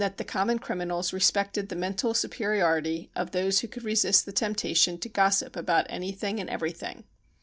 he common criminals respected the mental superiority of .tiiose who could resist the temptation to gossip abou' any thing and everything.